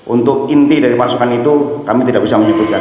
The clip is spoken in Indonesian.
untuk inti dari pasukan itu kami tidak bisa menyebutkan